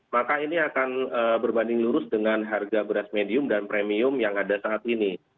maka ini akan berbanding lurus dengan harga beras medium dan premium yang ada saat ini